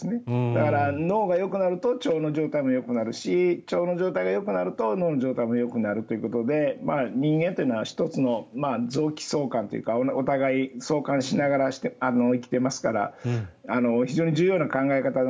だから、脳がよくなると腸の状態もよくなるし腸の状態がよくなると脳の状態もよくなるということで人間というのは１つの臓器相関というかお互い相関しながら生きていますから非常に重要な考え方。